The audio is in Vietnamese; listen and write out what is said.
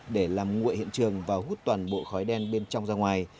để làm nguội hiện trường và hút toàn bộ khói đen bên trong ra ngoài